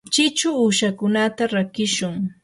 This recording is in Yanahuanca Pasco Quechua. chichu uushakunata rakishun.